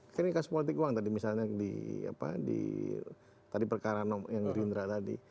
kali ini kasus politik uang tadi misalnya di apa di tadi perkara yang di rindra tadi